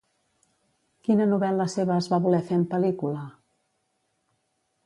Quina novel·la seva es va voler fer en pel·lícula?